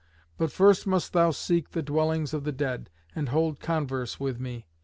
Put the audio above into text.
But first must thou seek the dwellings of the dead and hold converse with me.